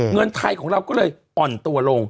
เงินไทยของเราก็เลยอ่อนตัวลง